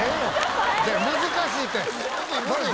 難しいて。